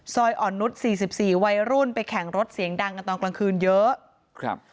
อ่อนนุษย์สี่สิบสี่วัยรุ่นไปแข่งรถเสียงดังกันตอนกลางคืนเยอะครับ